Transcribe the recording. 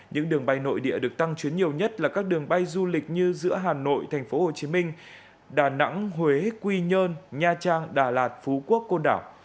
những đường bay nội địa được tăng chuyến nhiều nhất là các đường bay du lịch như giữa hà nội thành phố hồ chí minh đà nẵng huế quy nhơn nha trang đà lạt phú quốc côn đảo